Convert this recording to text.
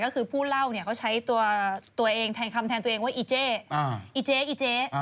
ก็คือผู้เล่าเนี่ยเขาใช้ตัวเองแทนคำแทนตัวเองว่าอีเจ๊อีเจ๊อีเจ๊